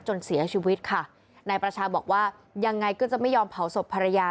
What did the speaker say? จนเสียชีวิตค่ะนายประชาบอกว่ายังไงก็จะไม่ยอมเผาศพภรรยา